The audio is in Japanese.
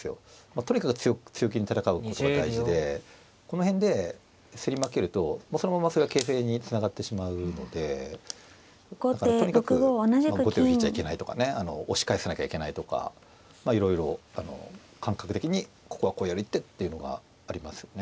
とにかく強気に戦うことが大事でこの辺で競り負けるともうそのままそれが形勢につながってしまうのでだからとにかく後手を引いちゃいけないとかね押し返さなきゃいけないとかまあいろいろ感覚的にここはこうやる一手っていうのがありますよね。